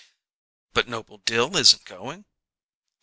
"But Noble Dill isn't going?"